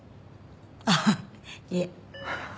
あっいえ。